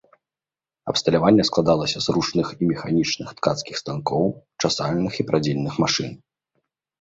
Абсталяванне складалася з ручных і механічных ткацкіх станкоў, часальных і прадзільных машын.